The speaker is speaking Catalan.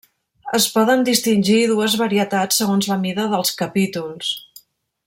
Es poden distingir dues varietats segons la mida dels capítols.